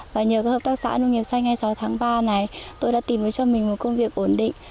và nhờ các hợp tác xã nông nghiệp xanh hai mươi sáu tháng ba này tôi đã tìm cho mình một công việc ổn định